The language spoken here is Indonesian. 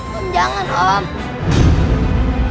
mas jangan mas